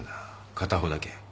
片方だけ。